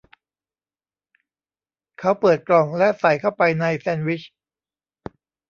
เขาเปิดกล่องและใส่เข้าไปในแซนด์วิช